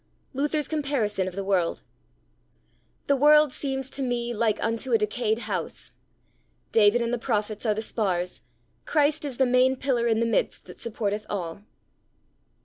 Luther's Comparison of the World. The world seems to me like unto a decayed house. David and the Prophets are the spars; Christ is the main pillar in the midst that supporteth all.